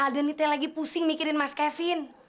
alda ini lagi pusing mikirin mas kevin